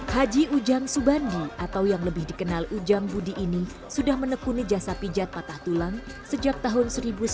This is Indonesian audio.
haji ujang subandi atau yang lebih dikenal ujang budi ini sudah menekuni jasa pijat patah tulang sejak tahun seribu sembilan ratus sembilan puluh